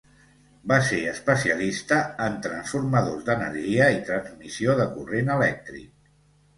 Va ser especialista en transformadors d'energia i transmissió de corrent elèctric.